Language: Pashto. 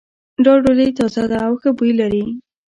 دا ډوډۍ تازه ده او ښه بوی لری